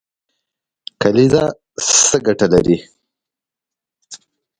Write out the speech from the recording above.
کلیزه څه ګټه لري؟